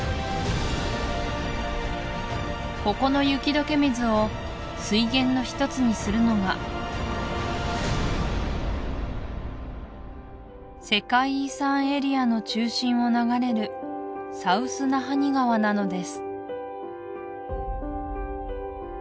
ここの雪解け水を水源のひとつにするのが世界遺産エリアの中心を流れるサウス・ナハニ川なのです